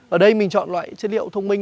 ở đây mình chọn loại chất liệu thông minh